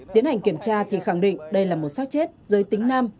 tiến hành kiểm tra thì khẳng định đây là một sát chết giới tính nam